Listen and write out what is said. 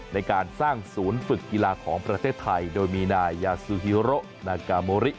ในการสร้างศูนย์ฝึกกีฬาของประเทศไทยโดยมีนายยาซูฮิโรนากาโมริ